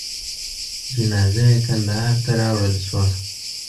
جنازه یې کندهار ته راوړل شوه.